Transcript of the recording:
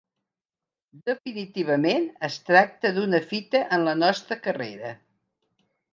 Definitivament, es tracta d'una fita en la nostra carrera.